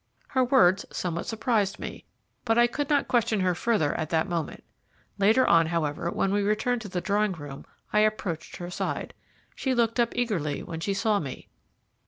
Her words somewhat surprised me, but I could not question her further at that moment. Later on, however, when we returned to the drawing room, I approached her side. She looked up eagerly when she saw me.